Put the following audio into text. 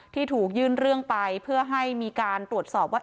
ที่ถูกยื่นเรื่องไปเพื่อให้มีการตรวจสอบว่า